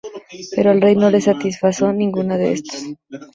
Pero al rey no le satisfizo ninguno de estos.